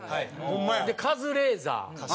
でカズレーザー。